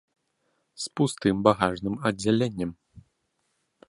З пустым багажным аддзяленнем.